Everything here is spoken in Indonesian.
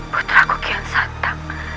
putraku kian santa